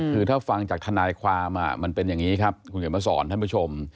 คือถ้าฟังจากทนายความมันเป็นอย่างนี้ครับคุณเขียนมาสอนท่านผู้ชม